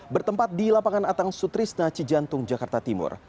bertempat di lapangan atang sutris naci jantung jakarta timur